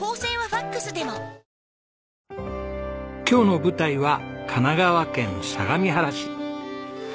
今日の舞台は神奈川県相模原市。